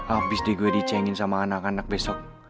abis deh gue dicenggin sama anak anak besok